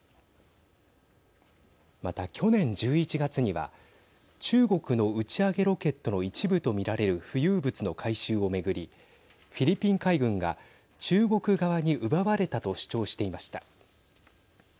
また、去年１１月には中国の打ち上げロケットの一部と見られる浮遊物の回収を巡りフィリピン海軍が中国側に奪われたと主張していました。